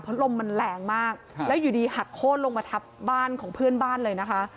เพราะลมมันแรงมากแล้วอยู่ดีหักโค้นลงมาทับบ้านของเพื่อนบ้านเลยนะคะ